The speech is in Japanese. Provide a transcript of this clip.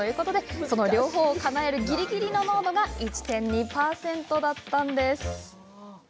その両方をかなえるぎりぎりの濃度が１．２％だったんです。